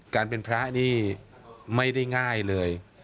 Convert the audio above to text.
การเป็นพระนี่ไม่ได้ง่ายเลย